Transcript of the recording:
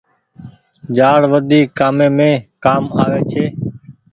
جآڙ وڌيڪ ڪآمي مين ڪآم آوي ڇي۔